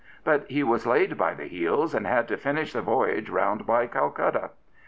But he was laid by the heels, and had to finish the voyage round by Calcutta.